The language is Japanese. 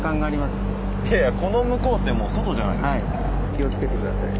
気をつけて下さい。